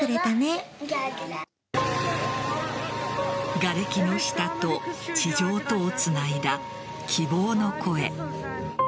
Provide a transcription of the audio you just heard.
がれきの下と地上とをつないだ希望の声。